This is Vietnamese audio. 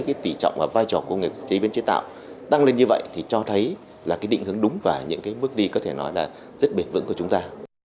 với tỉ trọng và vai trò của công nghiệp chế biến chế tạo tăng lên như vậy thì cho thấy là định hướng đúng và những bước đi có thể nói là rất biệt vững của chúng ta